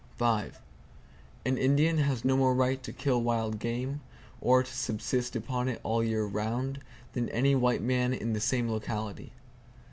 An Indian has no more right to kill wild game, or to subsist upon it all the year round, than any white man in the same locality.